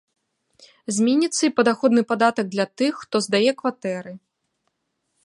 Зменіцца і падаходны падатак для тых, хто здае кватэры.